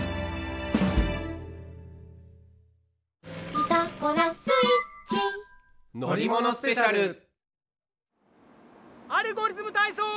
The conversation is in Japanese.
「ピタゴラスイッチ」「アルゴリズムたいそう」！